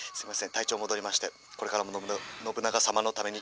体調戻りましてこれからもの信長様のために」。